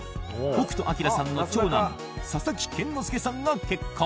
北斗晶さんの長男佐々木健之介さんが結婚。